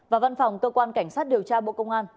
và văn phòng cơ quan cảnh sát điều tra bộ công an